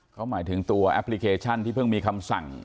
เขาหมายถึงตัวแอปพลิเคชันที่เพิ่งมีคำสั่ง